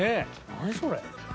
何それ。